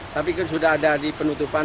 tapi kan sudah ada di penutupan